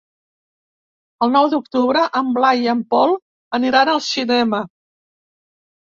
El nou d'octubre en Blai i en Pol aniran al cinema.